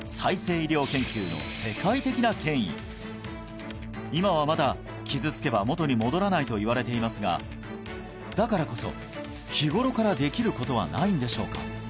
医療研究の世界的な権威今はまだ傷つけばもとに戻らないといわれていますがだからこそ日頃からできることはないんでしょうか？